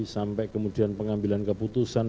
sampai kemudian pengambilan keputusan